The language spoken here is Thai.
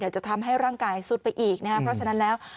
เดี๋ยวจะทำให้ร่างกายซุดไปอีกนะฮะเพราะฉะนั้นแล้ว